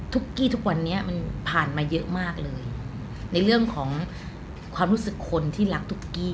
กี้ทุกวันนี้มันผ่านมาเยอะมากเลยในเรื่องของความรู้สึกคนที่รักทุกกี้